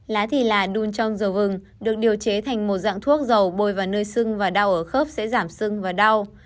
lá thì là đun trong dầu vừng được điều chế thành một dạng thuốc dầu bôi vào nơi xưng và đau ở khớp sẽ giảm xưng và đau